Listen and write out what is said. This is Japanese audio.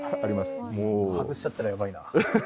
外しちゃったらやばいな。